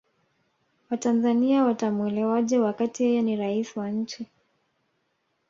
watanzania watamuelewaje wakati yeye ni raisi wa nchi